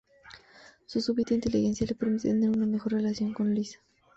Su súbita inteligencia le permite tener una mejor relación con Lisa.